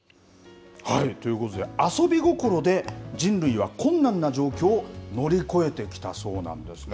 ということで、遊び心で人類は困難な状況を乗り越えてきたそうなんですね。